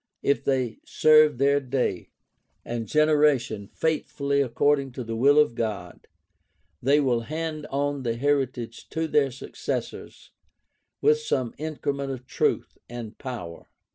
If they serve their day and generation faithfully according to the will of God, they will hand on the heritage to their successors with some increment of truth and power.